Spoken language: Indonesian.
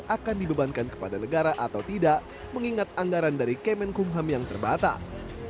akan dibebankan kepada negara atau tidak mengingat anggaran dari kemenkumham yang terbatas